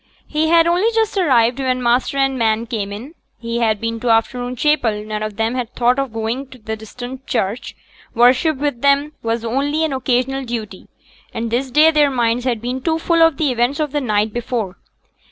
He had only just arrived when master and man came in. He had been to afternoon chapel; none of them had thought of going to the distant church; worship with them was only an occasional duty, and this day their minds had been too full of the events of the night before.